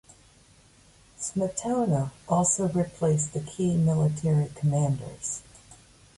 Smetona also replaced the key military commanders.